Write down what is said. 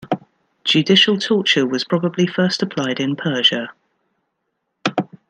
Judicial torture was probably first applied in Persia.